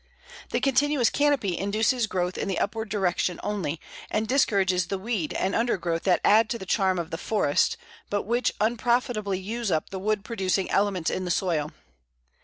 The continuous canopy induces growth in the upward direction only, and discourages the weeds and undergrowth that add to the charm of the forest, but which unprofitably use up the wood producing elements in the soil.